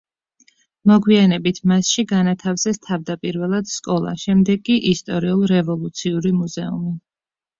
მოგვიანებით მასში განათავსეს თავდაპირველად სკოლა, შემდეგ კი ისტორიულ-რევოლუციური მუზეუმი.